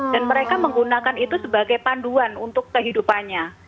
dan mereka menggunakan itu sebagai panduan untuk kehidupannya